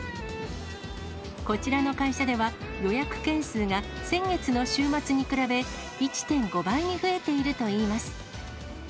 こちらの会社では、予約件数が先月の週末に比べ、１．５倍に増えているといいます。